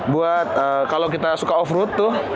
buat kalau kita suka off road tuh